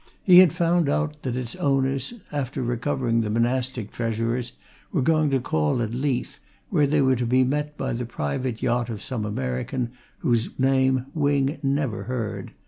He had found out that its owners, after recovering the monastic treasures, were going to call at Leith, where they were to be met by the private yacht of some American, whose name Wing never heard.